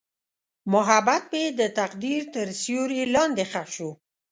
محبت مې د تقدیر تر سیوري لاندې ښخ شو.